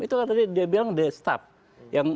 itu tadi dia bilang the staff